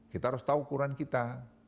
kita harus tahu ukuran kita